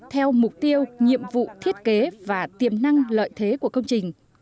theo mục tiêu nhiệm vụ thiết kế và tiềm năng lợi thế của công trình